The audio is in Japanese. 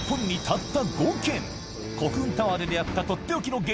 コクーンタワーで出会ったとっておきの激